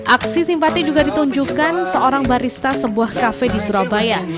aksi simpati juga ditunjukkan seorang barista sebuah kafe di surabaya